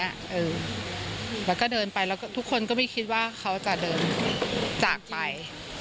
แล้วก็เดินไปแล้วก็ทุกคนก็ไม่คิดว่าเขาจะเดินจากไป